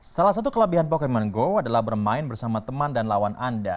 salah satu kelebihan pokemon go adalah bermain bersama teman dan lawan anda